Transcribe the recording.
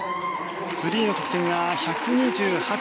フリーの得点が１２８．３６。